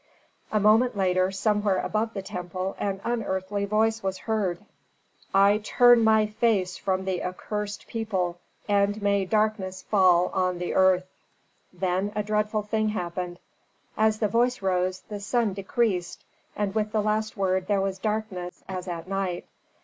A moment later, somewhere above the temple, an unearthly voice was heard, "I TURN MY FACE FROM THE ACCURSED PEOPLE AND MAY DARKNESS FALL ON THE EARTH." Then a dreadful thing happened: as the voice rose the sun decreased, and with the last word there was darkness as at night.